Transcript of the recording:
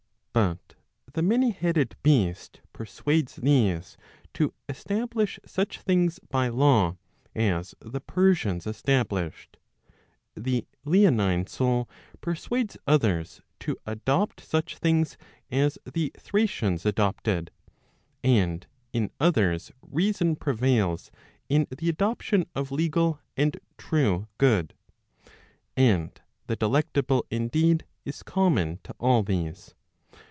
But the many headed beast persuades these to establish such things by law as the Persians established ; the leonine soul persuades others to adopt such things as the Thracians adopted ; and in others reason prevails in the adoption of legal and true good. And the delectable indeed, is common to all these.